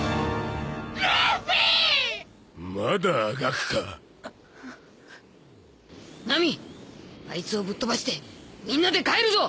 まだあがくかナミアイツをぶっ飛ばしてみんなで帰るぞ